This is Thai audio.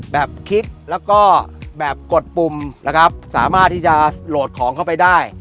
คิดแล้วก็แบบกดปุ่มนะครับสามารถที่จะโหลดของเข้าไปได้